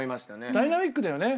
ダイナミックだよね。